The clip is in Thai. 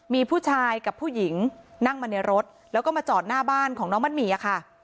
มีผู้ชายกับผู้หญิงนั่งมาในรถแล้วก็มาจอดหน้าบ้านของน้องมัดหมี่ค่ะ